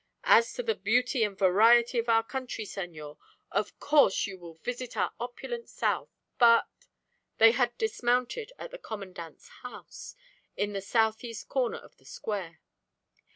"As to the beauty and variety of our country, senor, of course you will visit our opulent south; but " They had dismounted at the Commandante's house in the southeast corner of the square.